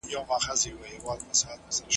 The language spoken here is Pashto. هغه په خپل موبایل کې وخت ته وکتل.